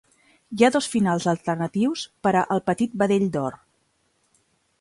Hi ha dos finals alternatius per a "El petit vedell d'or".